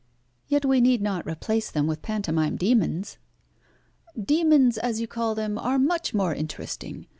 "Yet we need not replace them with pantomime demons." "Demons, as you call them, are much more interesting.